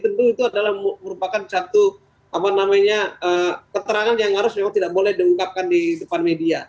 tentu itu adalah merupakan satu keterangan yang harus memang tidak boleh diungkapkan di depan media